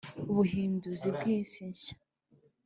Ubuhinduzi bw’isi nshya